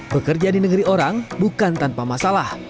bekerja di negeri orang bukan tanpa masalah